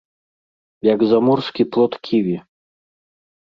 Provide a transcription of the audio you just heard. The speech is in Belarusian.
Як заморскі плод ківі.